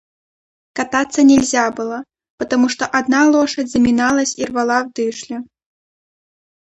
Кататься нельзя было, потому что одна лошадь заминалась и рвала в дышле.